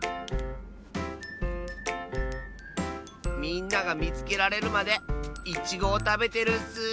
みんながみつけられるまでイチゴをたべてるッス！